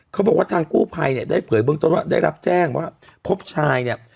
เขาบอกว่าทางกู้ภัยเนี่ยได้เผยเบื้องต้นว่าได้รับแจ้งว่าพบชายเนี่ย